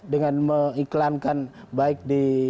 dengan mengiklankan baik di